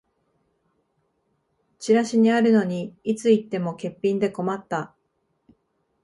チラシにあるのにいつ行っても欠品で困った